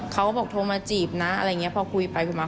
เขาบอกโทรมาจีบนะอะไรอย่างนี้พอคุยไปคุยมา